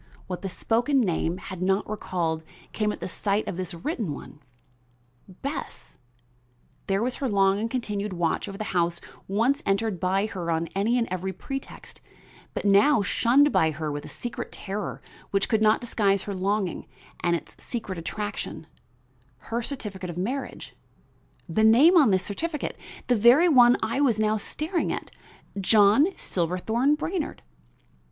What the spoken name had not recalled came at the sight of this written one. Bess! there was her long and continued watch over the house once entered by her on any and every pretext, but now shunned by her with a secret terror which could not disguise her longing and its secret attraction; her certificate of marriage; the name on this certificate the very one I was now staring at John Silverthorn Brainard!